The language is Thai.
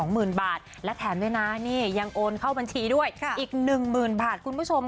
๒หมื่นบาทและแถมด้วยนะนี่ยังโอนเข้าบัญชีด้วยค่ะอีก๑หมื่นบาท